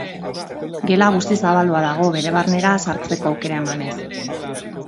Gela guztiz zabaldua dago bere barnera sartzeko aukera emanez.